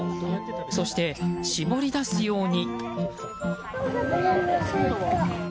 そして、絞り出すように。